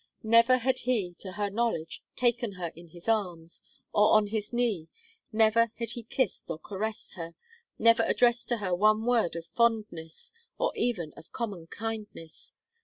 Never had he, to her knowledge, taken her in his arms, or on his knee; never had he kissed or caressed her; never addressed to her one word of fondness, or even of common kindness.